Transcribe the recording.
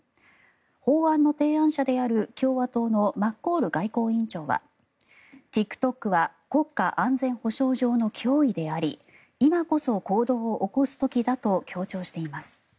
法案の提案者である共和党のマッコール外交委員長はＴｉｋＴｏｋは国家安全保障上の脅威であり今こそ行動を起こす時だと強調しています。